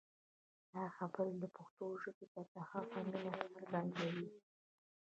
دا خبرې له پښتو ژبې سره د هغه مینه څرګندوي.